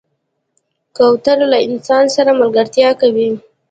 کوتره له انسان سره ملګرتیا کوي.